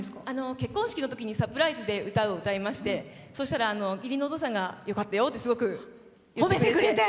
結婚式のときにサプライズで歌を歌いましてそしたら、義理のお父さんがよかったよってすごく言ってくれて。